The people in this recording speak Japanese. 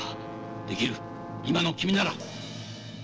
できる今の君なら！